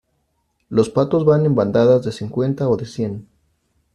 los patos van en bandadas de cincuenta o de cien